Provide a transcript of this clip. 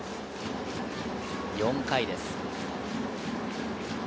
４回です。